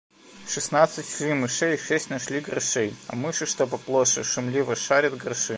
Шестнадцать шли мышей и шесть нашли грошей, а мыши, что поплоше, шумливо шарят гроши.